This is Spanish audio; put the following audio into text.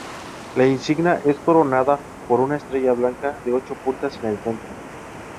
La insignia es coronada por una estrella blanca de ocho puntas en el centro.